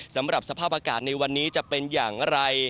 สำหรับสภาพอากาศในวันนี้จะเป็นอย่างไร